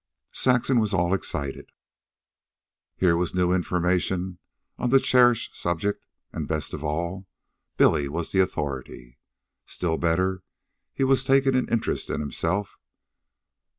Saxon was all excitement. Here was new information on the cherished subject, and, best of all, Billy was the authority. Still better, he was taking an interest himself.